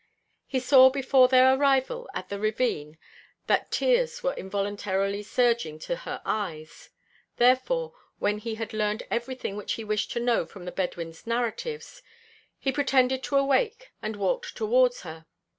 He saw before their arrival at the ravine that tears were involuntarily surging to her eyes; therefore, when he had learned everything which he wished to know from the Bedouins' narratives, he pretended to awake and walked towards her.